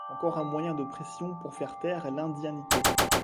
Encore un moyen de pression pour faire taire l'indianité